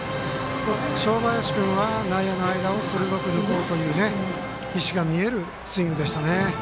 正林君は内野の間を鋭く抜こうという意思が見えるスイングでしたね。